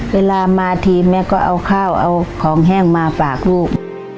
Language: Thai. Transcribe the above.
เวลามาทีแม่ก็เอาข้าวเอาของแห้งมาฝากลูก